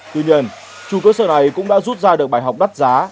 tuy nhiên chủ cơ sở này cũng đã rút ra được bài học đắt giá